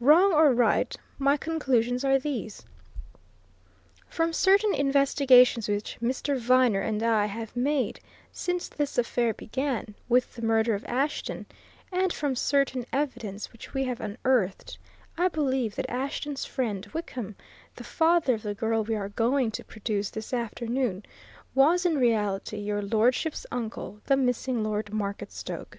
"Wrong or right, my conclusions are these: From certain investigations which Mr. Viner and I have made since this affair began with the murder of Ashton and from certain evidence which we have unearthed, I believe that Ashton's friend Wickham, the father of the girl we are going to produce this afternoon, was in reality your lordship's uncle, the missing Lord Marketstoke.